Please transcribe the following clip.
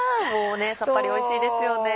さっぱりおいしいですよね。